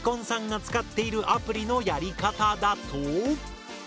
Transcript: さんが使っているアプリのやり方だと。